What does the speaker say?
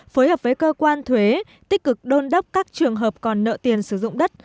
phối hợp với cơ quan thuế tích cực đôn đốc các trường hợp còn nợ tiền sử dụng đất